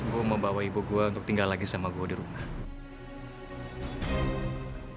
gue membawa ibu gue untuk tinggal lagi sama gue di rumah